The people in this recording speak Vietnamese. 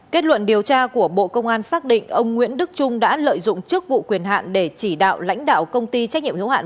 kết luận điều tra của bộ công an xác định ông nguyễn đức trung đã lợi dụng chức vụ quyền hạn để chỉ đạo lãnh đạo công ty trách nhiệm hiếu hạn